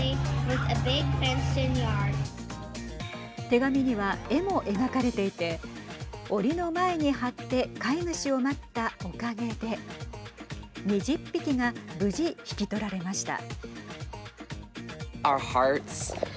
手紙には、絵も描かれていておりの前に貼って飼い主を待ったおかげで２０匹が無事引き取られました。